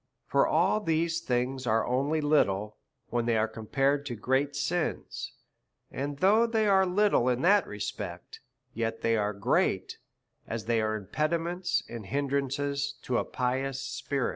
For all these things are only little, when they are compared to great sins ; and though they are little in that respect yet they are great, as they are impedi ments and hindrances of a pious spirit.